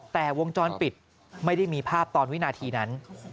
แต่วงจรปิดไม่ได้มีภาพตอนวินาทีนั้น